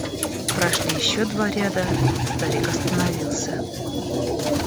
Прошли еще два ряда, старик остановился.